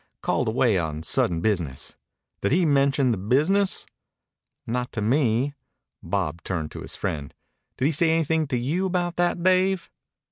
Called away on sudden business." "Did he mention the business?" "Not to me." Bob turned to his friend. "Did he say anything to you about that, Dave?"